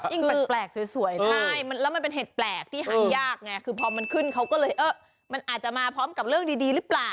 แปลกสวยใช่แล้วมันเป็นเห็ดแปลกที่หายากไงคือพอมันขึ้นเขาก็เลยเออมันอาจจะมาพร้อมกับเรื่องดีหรือเปล่า